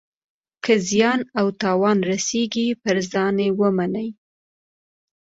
که زیان او تاوان رسیږي پر ځان ومني.